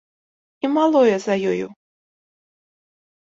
І малое за ёю.